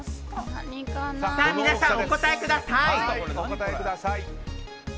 さあ、皆さんお答えください。